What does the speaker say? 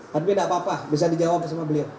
tapi tidak apa apa bisa dijawab sama beliau